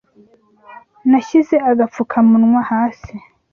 Nashyize agapfukamunywa hasi